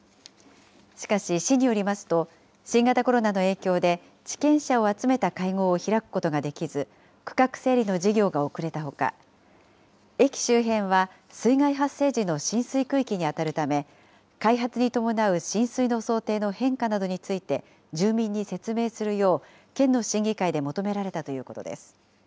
しかし、市によりますと、新型コロナの影響で地権者を集めた会合を開くことができず、区画整理の事業が遅れたほか、駅周辺は水害発生時の浸水区域に当たるため、開発に伴う浸水の想定の変化などについて住民に説明するよう、県の審議会で求められたということです。